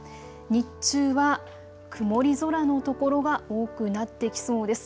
日中は曇り空の所が多くなってきそうです。